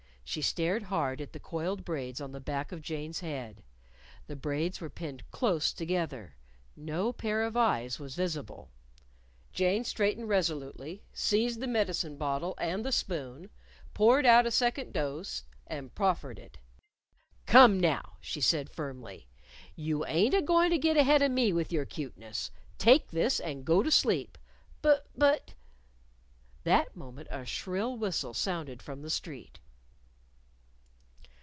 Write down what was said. She stared hard at the coiled braids on the back of Jane's head. The braids were pinned close together. No pair of eyes was visible. Jane straightened resolutely, seized the medicine bottle and the spoon, poured out a second dose, and proffered it. "Come, now!" she said firmly. "You ain't a goin' to git ahead of me with your cuteness. Take this, and go to sleep." "Bu but " That moment a shrill whistle sounded from the street.